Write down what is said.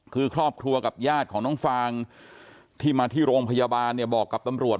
คือครอบครัวกับญาติของน้องฟางที่มาที่โรงพยาบาลเนี่ยบอกกับตำรวจ